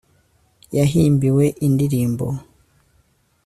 yahimbiwe indirimbo